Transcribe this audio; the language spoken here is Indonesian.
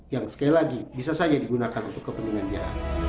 yang sekali lagi bisa saja digunakan untuk kepentingan jahat